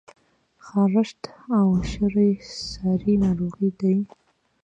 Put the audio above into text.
خارښت او شری څاری ناروغی دي؟